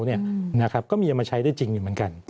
ก็มีเอามาใช้ได้จริงอยู่เหมือนกัน